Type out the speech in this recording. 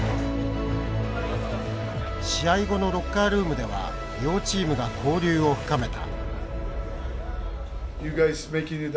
試合後のロッカールームでは両チームが交流を深めた。